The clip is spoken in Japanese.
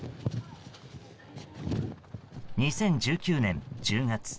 ２０１９年１０月。